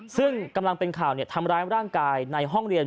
ซึ่งกำลังเป็นข่าวทำร้ายร่างกายในห้องเรียน